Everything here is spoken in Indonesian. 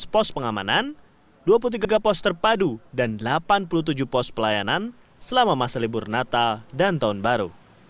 tujuh ratus pos pengamanan dua puluh tiga kapos terpadu dan delapan puluh tujuh pos pelayanan selama masa libur natal dan tahun baru